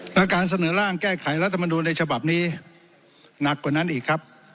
แล้วการเสนอร่างแก้ไขรัฐมนูลในฉบับนี้หนักกว่านั้นอีกครับ